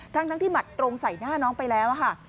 ทั้งที่หมัดตรงใส่หน้าน้องไปแล้วค่ะ